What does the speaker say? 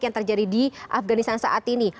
yang terjadi di afganistan saat ini